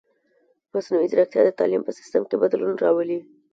مصنوعي ځیرکتیا د تعلیم په سیستم کې بدلون راولي.